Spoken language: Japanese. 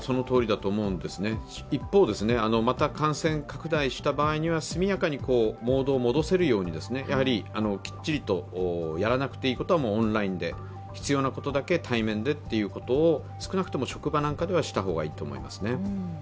一方、また感染拡大した場合には速やかにモードを戻せるようにきっちりと、やらなくていいことはオンラインで、必要なことだけ対面でということを少なくとも職場なんかではした方がいいと思いますね。